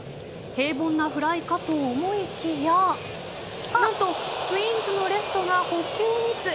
平凡なフライかと思いきや何とツインズのレフトが捕球ミス。